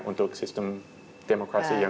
untuk sistem demokrasi